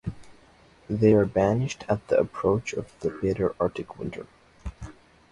They are banished at the approach of the bitter arctic winter.